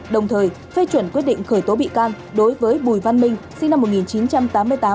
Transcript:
đồng thời phê chuẩn quyết định khởi tố bị can đối với bùi văn minh sinh năm một nghìn chín trăm tám mươi tám